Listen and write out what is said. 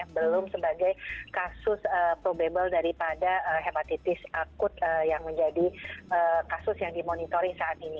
belum sebagai kasus probable daripada hepatitis akut yang menjadi kasus yang dimonitoring saat ini